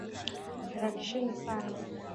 Harakisheni Sana.